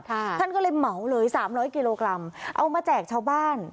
ท่านก็เลยเหมาเลยสามร้อยกิโลกรัมเอามาแจกชาวบ้าน